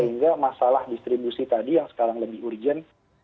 sehingga masalah distribusi tadi yang sekarang lebih urgent